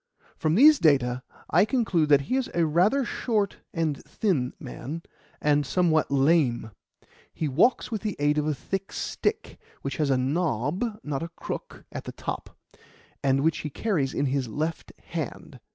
From these data I conclude that he is a rather short and thin man, and somewhat lame. He walks with the aid of a thick stick, which has a knob, not a crook, at the top, and which he carries in his left hand.